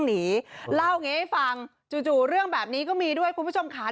หนีเล่าอย่างนี้ให้ฟังจู่เรื่องแบบนี้ก็มีด้วยคุณผู้ชมค่ะ